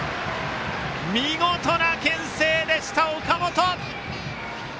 見事なけん制でした、岡本！